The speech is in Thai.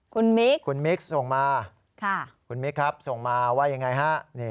คุณมิคคุณมิกซ์ส่งมาคุณมิคครับส่งมาว่ายังไงฮะ